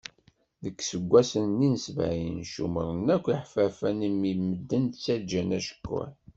Deg iseggasen-nni n sebɛin ccumren akk iḥeffafen imi medden ttaǧǧan acekkuḥ.